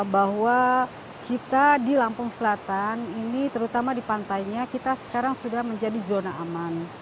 bahwa kita di lampung selatan ini terutama di pantainya kita sekarang sudah menjadi zona aman